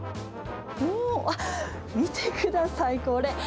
おー、あっ、見てください、これ。